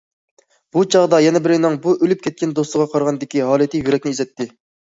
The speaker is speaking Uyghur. بۇ چاغدا يەنە بىرىنىڭ بۇ ئۆلۈپ كەتكەن دوستىغا قارىغاندىكى ھالىتى يۈرەكنى ئېزەتتى.